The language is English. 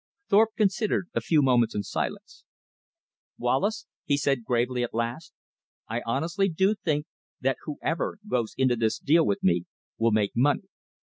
Thorpe considered a few moments in silence. "Wallace," he said gravely at last, "I honestly do think that whoever goes into this deal with me will make money.